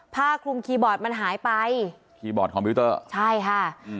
ผ้าคลุมคีย์บอร์ดมันหายไปคีย์บอร์ดคอมพิวเตอร์ใช่ค่ะอืม